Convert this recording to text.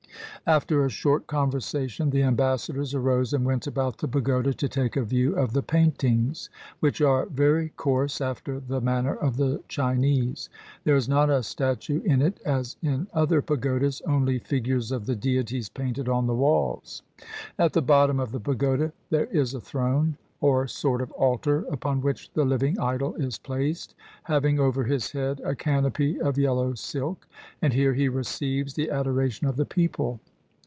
After a short conversation, the ambassadors arose and went about the pagoda to take a view of the paintings, which are very coarse after the manner of the Chinese. There is not a statue in it as in other pagodas, only fig ures of the deities painted on the walls. At the bottom of the pagoda there is a throne, or sort of altar, upon which the living idol is placed, having over his head a canopy of yellow silk; and here he receives the adora tion of the people.